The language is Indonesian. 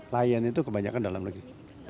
lion itu kebanyakan dalam negeri